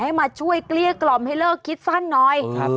มาช่วยเกลี้ยกล่อมให้เลิกคิดสั้นหน่อยครับ